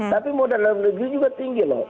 tapi modal energi juga tinggi loh